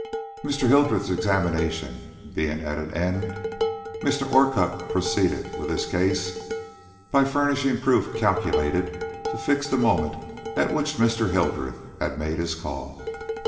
Mr. Hildreth's examination being at an end, Mr. Orcutt proceeded with his case, by furnishing proof calculated to fix the moment at which Mr. Hildreth had made his call.